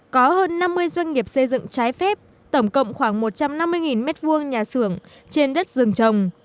có hơn năm mươi doanh nghiệp xây dựng trái phép tổng cộng khoảng một trăm năm mươi m hai nhà xưởng trên đất rừng trồng